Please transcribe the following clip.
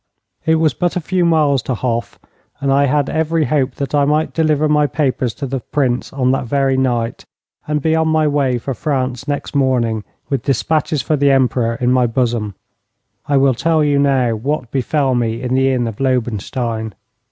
It was but a few miles to Hof, and I had every hope that I might deliver my papers to the Prince on that very night, and be on my way for France next morning with despatches for the Emperor in my bosom. I will tell you now what befell me in the inn of Lobenstein.